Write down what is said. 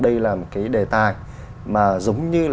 đây là một cái đề tài mà giống như